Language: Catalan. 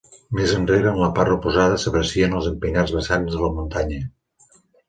Més enrere en la part oposada s'aprecien els empinats vessants de la muntanya.